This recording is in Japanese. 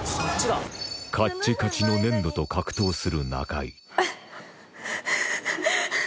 カッチカチの粘土と格闘する中井うっフフフ。